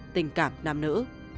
tình cảm nam nữ